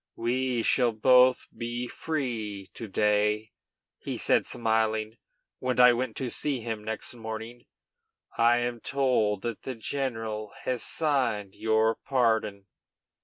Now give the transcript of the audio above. "We shall both be free to day," he said, smiling, when I went to see him the next morning. "I am told that the general has signed your pardon."